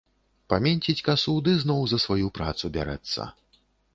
Паменціць касу ды зноў за сваю працу бярэцца.